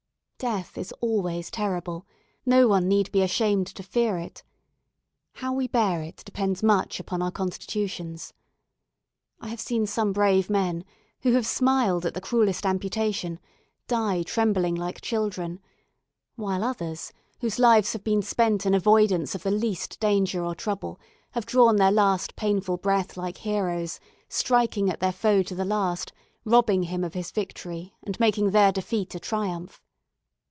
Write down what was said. Death is always terrible no one need be ashamed to fear it. How we bear it depends much upon our constitutions. I have seen some brave men, who have smiled at the cruellest amputation, die trembling like children; while others, whose lives have been spent in avoidance of the least danger or trouble, have drawn their last painful breath like heroes, striking at their foe to the last, robbing him of his victory, and making their defeat a triumph.